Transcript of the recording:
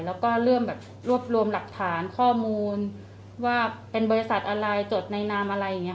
แล้วก็เริ่มแบบรวบรวมหลักฐานข้อมูลว่าเป็นบริษัทอะไรจดในนามอะไรอย่างนี้